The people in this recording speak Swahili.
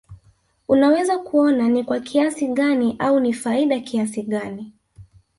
unaweza kuona ni kwa kiasi gani au ni faida kiasi gani